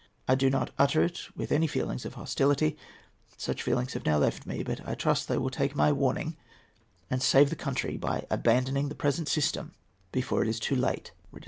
I do not utter it with any feelings of hostility—such feelings have now left me—but I trust they will take my warning, and save the country by abandoning the present system before it is too late."